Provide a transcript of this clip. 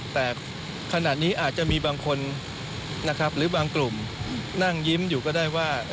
แต่ขณะนี้อาจจะมีบางคนนะครับหรือบางกลุ่มนั่งยิ้มอยู่ก็ได้ว่า